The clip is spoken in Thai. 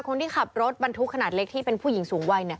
คนที่ขับรถบรรทุกขนาดเล็กที่เป็นผู้หญิงสูงวัย